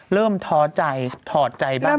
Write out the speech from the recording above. เริ่มทอดใจทอดใจบ้าง